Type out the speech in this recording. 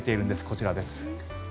こちらです。